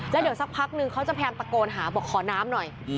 แล้วเดี๋ยวสักพักนึงเขาจะพยายามตะโกนหาบอกขอน้ำหน่อย